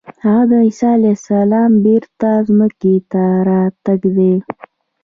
هغه د عیسی علیه السلام بېرته ځمکې ته راتګ دی.